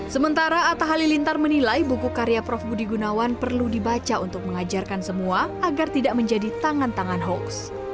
sementara atta halilintar menilai buku karya prof budi gunawan perlu dibaca untuk mengajarkan semua agar tidak menjadi tangan tangan hoax